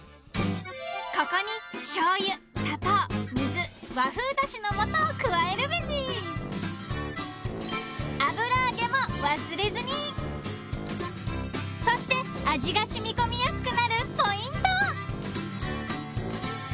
ここにしょうゆ砂糖水和風だしの素を加えるベジ油揚げも忘れずにそして味がしみこみやすくなるポイント